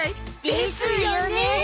ですよね！